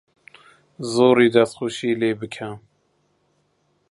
زۆری دەسخۆشی لێ بکە